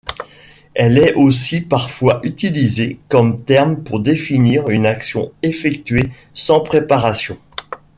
Elle est aussi parfois utilisé comme terme pour définir une action effectuée sans préparation.